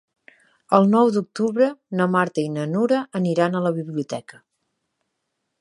El nou d'octubre na Marta i na Nura aniran a la biblioteca.